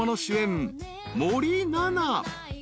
［森七菜］